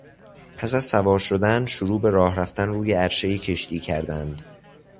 پس از سوار شدن، شروع به راه رفتن روی عرشهی کشتی کردند.